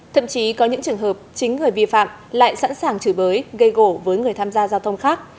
thậm chí có những trường hợp chính người vi phạm lại sẵn sàng chửi bới gây gổ với người tham gia giao thông khác